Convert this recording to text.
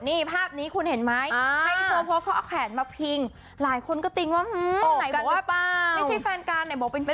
นี่ภาพนี้คุณเห็นไหมให้โซโภคเขาเอาแขนมาพิงหลายคนก็ติ้งว่าไม่ได้บอกว่าอยู่คู่กันหรือเปิด